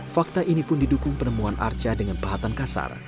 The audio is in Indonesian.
fakta ini pun didukung penemuan arca dengan pahatan kasar